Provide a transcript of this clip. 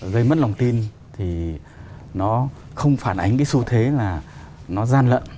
gây mất lòng tin thì nó không phản ánh cái xu thế là nó gian lận